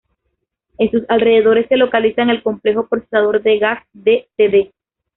En sus alrededores, se localizan el "Complejo Procesador de Gas de "Cd.